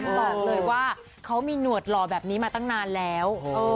บอกเลยว่าเขามีหนวดหล่อแบบนี้มาตั้งนานแล้ว